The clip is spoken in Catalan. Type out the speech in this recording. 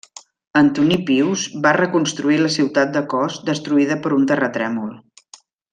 Antoní Pius va reconstruir la ciutat de Cos destruïda per un terratrèmol.